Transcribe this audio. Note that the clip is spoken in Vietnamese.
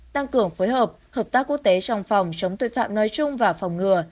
tăng cường phối hợp hợp tác quốc tế trong phòng chống tội phạm nói chung và phòng ngừa